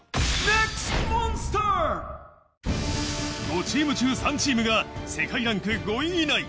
５チーム中、３チームが世界ランク５位以内。